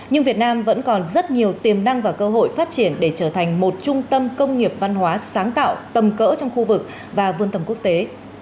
nhưng việt nam vẫn còn rất nhiều tiềm năng và cơ hội phát triển để trở thành một trung tâm công nghiệp văn hóa sáng tạo tầm cỡ trong khu vực và vươn tầm quốc tế